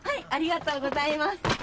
ありがとうございます。